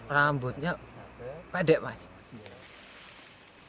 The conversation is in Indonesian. rambutnya pede mas